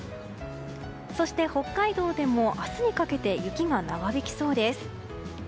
そして、北海道でも明日にかけて雪が長引きそうです。